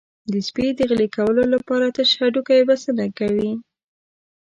د سپي د غلي کولو لپاره تش هډوکی بسنه کوي.